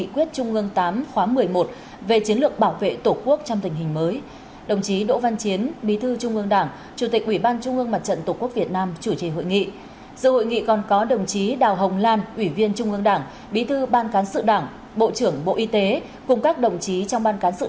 bộ trưởng bộ y tế cùng các đồng chí trong ban cán sự đảng đảng ủy bộ y tế các cơ quan của bộ y tế bộ công an và bộ quốc phòng